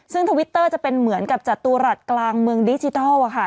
ซึ่งทวิตเตอร์จะเป็นเหมือนกับจตุรัสกลางเมืองดิจิทัลค่ะ